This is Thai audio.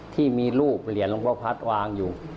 ที่มีรูปเหรียญหลวงพ่อพัฒน์วางอยู่